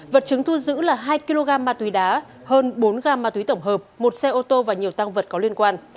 vật chứng thu giữ là hai kg ma túy đá hơn bốn gam ma túy tổng hợp một xe ô tô và nhiều tăng vật có liên quan